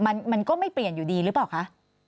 มันก็ไม่เปลี่ยนอยู่ดีหรือเปล่าคะ